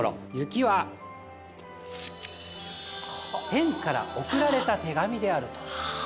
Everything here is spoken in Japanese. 雪は天から贈られた手紙であると。